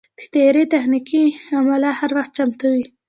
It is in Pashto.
د طیارې تخنیکي عمله هر وخت چمتو وي.